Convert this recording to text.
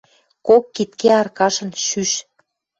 Кок кидге Аркашкын шӱш.